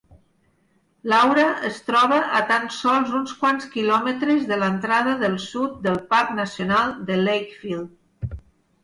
Laura es troba a tan sols uns quants quilòmetres de l'entrada del sud del parc nacional de Lakefield.